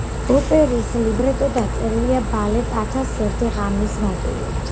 ოპერის ლიბრეტო დაწერილია ბალეტ „ათას ერთი ღამის“ მოტივებზე.